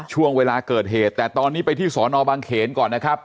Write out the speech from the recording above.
ช่วงเวลาเกิดเหตุแต่ตอนนี้ไปที่สอนอบางเขนก่อนนะครับ